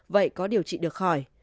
vậy có điều trị được khỏi